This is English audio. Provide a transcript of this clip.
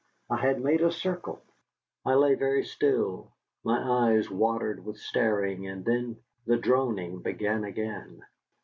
I had made a circle. I lay very still, my eyes watered with staring, and then the droning began again.